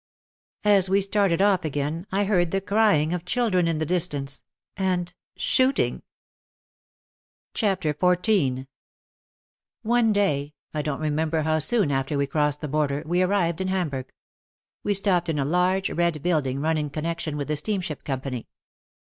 As we started off again I heard the crying of children in the distance, and shooting. OUT OF THE SHADOW 57 XIV One day, I don't remember how soon after we crossed the border, we arrived in Hamburg. We stopped in a large, red building run in connection with the steamship company.